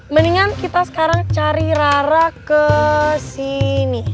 mendingan kita sekarang cari rara kesini